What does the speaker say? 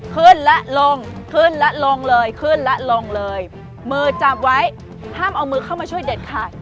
ขึ้นและลงขึ้นและลงเลยขึ้นและลงเลยมือจับไว้ห้ามเอามือเข้ามาช่วยเด็ดขาด